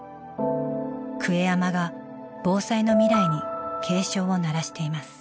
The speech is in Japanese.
「壊山」が防災の未来に警鐘を鳴らしています。